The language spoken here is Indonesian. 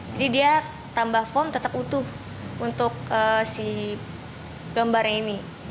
jadi dia tambah foam tetap utuh untuk si gambarnya ini